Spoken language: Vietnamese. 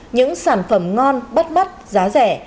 những sản phẩm ngon bắt mắt giá rẻ